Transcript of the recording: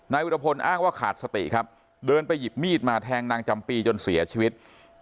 วิรพลอ้างว่าขาดสติครับเดินไปหยิบมีดมาแทงนางจำปีจนเสียชีวิต